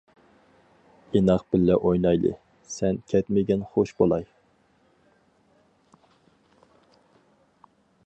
ئىناق بىللە ئوينايلى، سەن كەتمىگىن خۇش بولاي.